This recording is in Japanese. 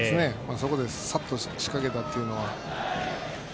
そこでさっと仕掛けたというのは。